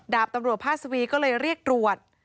ดาบตำรวจพาสวีก็เลยเรียกตรวจ